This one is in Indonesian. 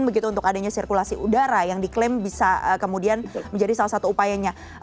begitu untuk adanya sirkulasi udara yang diklaim bisa kemudian menjadi salah satu upayanya